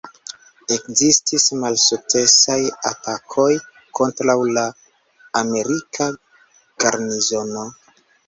Ekzistis malsukcesaj atakoj kontraŭ la amerika garnizono.